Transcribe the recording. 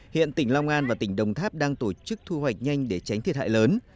hiện tỉnh long an và tỉnh đồng tháp đang tổ chức thu hoạch nhanh để tránh thiệt hại lớn